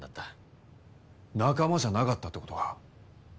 仲間じゃなかったって事か。